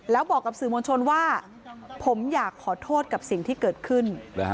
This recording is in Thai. แล้วบอกกับสื่อมวลชนว่าผมอยากขอโทษกับสิ่งที่เกิดขึ้น